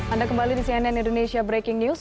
anda kembali di cnn indonesia breaking news